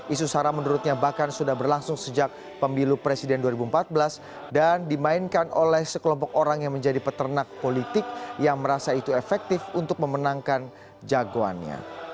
isu sara menurutnya bahkan sudah berlangsung sejak pemilu presiden dua ribu empat belas dan dimainkan oleh sekelompok orang yang menjadi peternak politik yang merasa itu efektif untuk memenangkan jagoannya